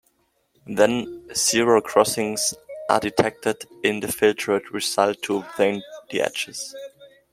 Then, zero crossings are detected in the filtered result to obtain the edges.